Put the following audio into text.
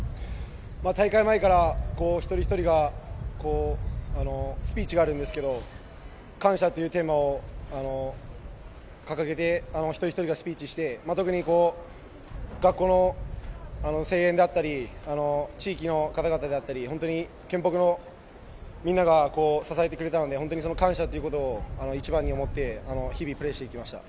大会前から一人一人がスピーチがあるんですけど「感謝」というテーマを掲げて、一人一人がスピーチして特に学校の声援であったり地域の方々だったり県北のみんなが支えてくれたので本当に感謝ということを一番に思って日々プレーしてきました。